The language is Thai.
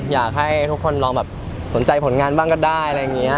อยากให้ทุกคนลองสนใจผลงานบ้างก็ได้